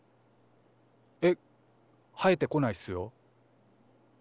えっ生えてこないっすよ。